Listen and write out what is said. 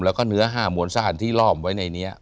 แล้วก็เนื้อ๕มวลสถานที่ล่อมไว้ในนี้